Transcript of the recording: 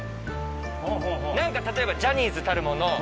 何か例えばジャニーズたるもの。